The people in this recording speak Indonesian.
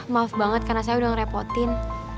maaf banget karena saya udah ngerepotin